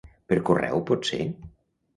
Per correu pot ser?